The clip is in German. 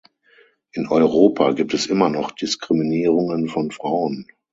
In Europa gibt es immer noch Diskriminierungen von Frauen.